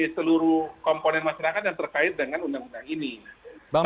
seluruh komponen masyarakat yang terkait dengan undang undang ini